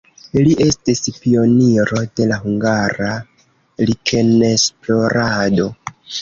Li estis pioniro de la hungara likenesplorado.